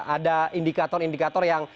ada indikator indikator yang